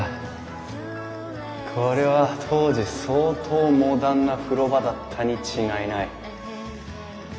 これは当時相当モダンな風呂場だったに違いない。